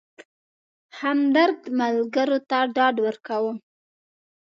همدرد ملګرو ته ډاډ ورکاوه.